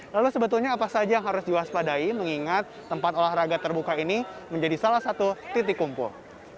lalu sebetulnya apa saja yang harus diwaspadai mengingat tempat olahraga terbuka ini menjadi salah satu titik kumpul